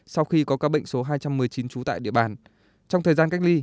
sau khi có ca bệnh số hai trăm một mươi chín trú tại địa bàn trong thời gian cách ly